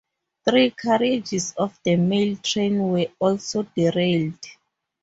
Three carriages of the Mail train were also derailed.